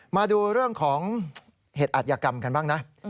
มาดูเรื่องของเหตุอัธยกรรมกันบ้างนะ